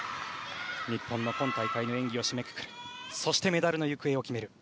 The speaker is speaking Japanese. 日本の今大会の演技を締めくくりそしてメダルの行方を決める